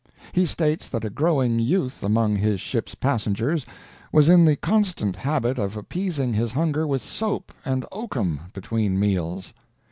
He states that a growing youth among his ship's passengers was in the constant habit of appeasing his hunger with soap and oakum between meals.